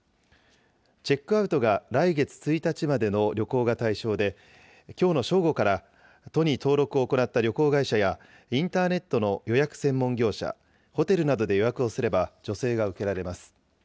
チェックアウトが来月１日までの旅行が対象で、きょうの正午から、都に登録を行った旅行会社や、インターネットの予約専門業者、ホテルなどで予約をすれば助成が受けられます。